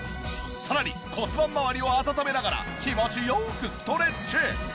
さらに骨盤まわりを温めながら気持ち良くストレッチ。